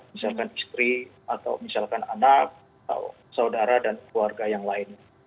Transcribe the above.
misalkan istri atau misalkan anak atau saudara dan keluarga yang lainnya